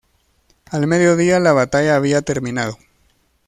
Al mediodía, la batalla había terminado.